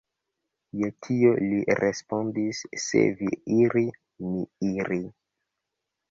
Je tio li respondis, Se vi iri, mi iri.